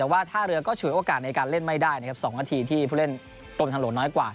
แต่ว่าท่าเรือก็ฉวยโอกาสในการเล่นไม่ได้นะครับ๒นาทีที่ผู้เล่นกรมทางหลวงน้อยกว่า